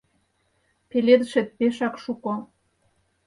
Пеледышет пешак шуко